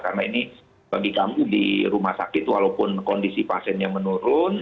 karena ini bagi kamu di rumah sakit walaupun kondisi pasiennya menurun